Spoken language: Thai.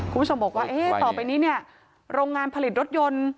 คุณผู้ชมบอกว่าต่อไปนี้เนี่ยโรงงานผลิตรถยนต์